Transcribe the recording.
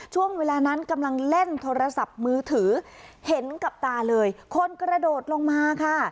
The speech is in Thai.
ช่วงเวลานั้นกำลังเล่นโทรศัพท์มือถือเห็นกับตาเลยคนกระโดดลงมาค่ะ